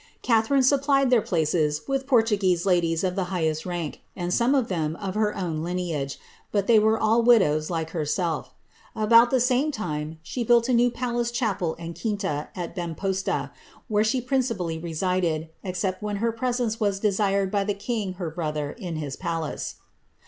Ca* upplied their places with Portuguese ladies of the highest rank, e of them of her own lineage, but they were all widows like About the same time, she buUt a new palace chapel and quinta, osta, where she principally resided, except when her presence red by the king, her brother, in his palace.